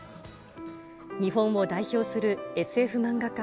日本を代表するＳＦ漫画家、